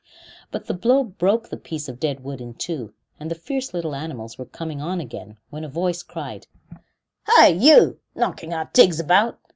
But the blow broke the piece of dead wood in two, and the fierce little animals were coming on again, when a voice cried: "Hi! you! knocking our tigs about!"